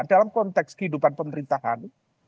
dalam konteks kehidupan pemerintahan